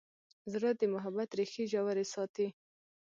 زړه د محبت ریښې ژورې ساتي.